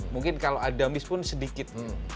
mungkin kalau ada miss pun sedikit